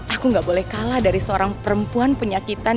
aku gak boleh kalah dari seorang perempuan penyakitan